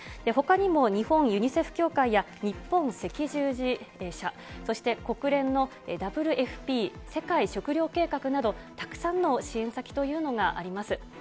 ほかにも日本ユニセフ協会や、日本赤十字社、そして国連のＷＦＰ・世界食糧計画など、たくさんの支援先というのがあります。